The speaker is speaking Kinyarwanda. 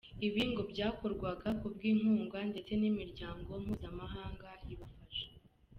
Ibi ngo byakorwaga ku bw’inkunga ndetse n’imiryango mpuzamahanga ibifasha.